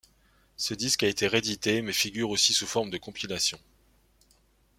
Ce disque a été réédité mais figure aussi sous forme de compilation.